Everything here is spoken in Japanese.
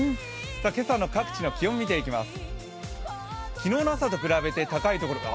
今朝の各地の気温、見ていきます。